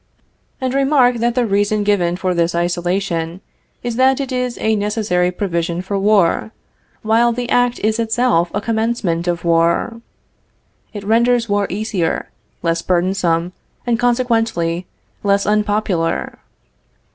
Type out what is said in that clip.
And remark that the reason given for this isolation, is that it is a necessary provision for war, while the act is itself a commencement of war. It renders war easier, less burdensome, and consequently less unpopular.